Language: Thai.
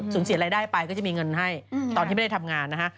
เสียรายได้ไปก็จะมีเงินให้ตอนที่ไม่ได้ทำงานนะฮะ